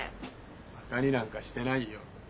バカになんかしてないよ。